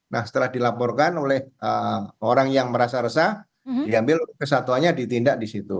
nah setelah dilaporkan oleh orang yang merasa resah diambil kesatuannya ditindak di situ